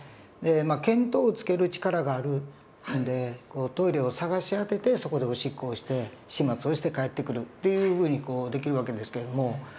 で見当をつける力があるんでトイレを探し当ててそこでおしっこをして始末をして帰ってくるっていうふうにできる訳ですけれども。